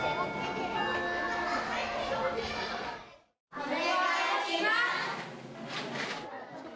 お願いします。